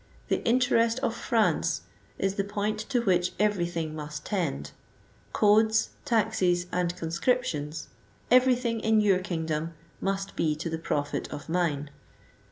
... The interest of France is the point to which everything must tend ; codes, taxes and conscriptions, — everything in your kingdom must be to the profit of mine.